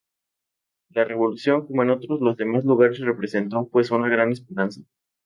La Revolución, como en todos los demás lugares representó pues una gran esperanza.